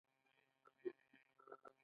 د مشرانو بې اتفاقي هېواد ورانوي.